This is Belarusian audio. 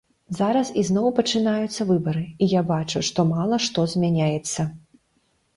Зараз ізноў пачынаюцца выбары, і я бачу, што мала што змяняецца.